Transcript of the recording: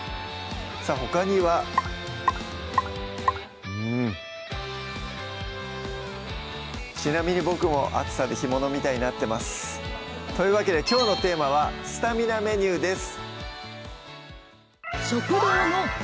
さぁほかにはうんちなみに僕も暑さで干物みたいになってますというわけできょうのテーマは「スタミナメニュー」です